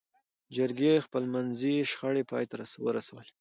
جرګې خپلمنځي شخړې پای ته ورسولې.